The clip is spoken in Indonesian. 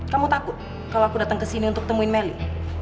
kamu takut kalau aku datang kesini untuk temuin meli